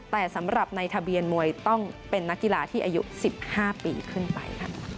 แต่สำหรับในทะเบียนมวยต้องเป็นนักกีฬาที่อายุ๑๕ปีขึ้นไป